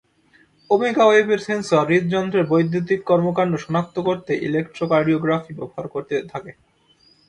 ওমেগাওয়েভের sensor হূদ্যন্ত্রের বৈদ্যুতিক কর্মকাণ্ড শনাক্ত করতে ইলেকট্রোকার্ডিওগ্রাফি ব্যবহার করে থাকে।